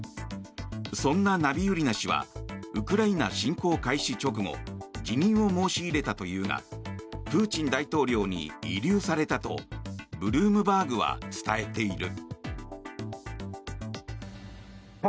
そんなナビウリナ氏はウクライナ侵攻開始直後辞任を申し入れたというがプーチン大統領に慰留されたとブルームバーグは伝えている。